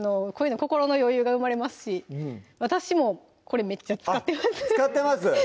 こういうの心の余裕が生まれますし私もこれめっちゃ使ってます